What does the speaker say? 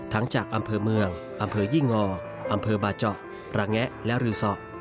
จากอำเภอเมืองอำเภอยี่งออำเภอบาเจาะระแงะและรือสอ